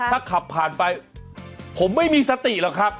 ถ้าขับผ่านไปผมไม่มีสติหรอกครับ